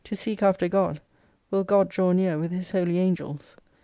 Dibdin, xviii seek after God, will God draw near with his holy Angels.